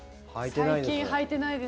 最近履いてないです。